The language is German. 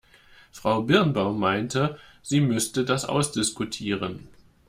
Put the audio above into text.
Frau Birnbaum meinte, sie müsste das ausdiskutieren.